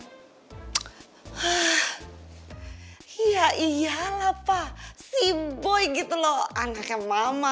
hah iya iyalah pak si boy gitu loh anaknya mama